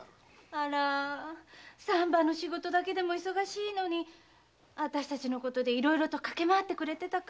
あら産婆の仕事だけでも忙しいのにあたしたちのことでいろいろ駆け回ってくれてたから。